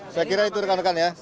saya kira itu rekan rekan ya